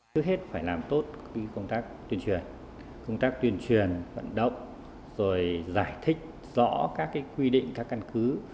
trước hết phải làm tốt công tác tuyên truyền công tác tuyên truyền vận động rồi giải thích rõ các quy định các căn cứ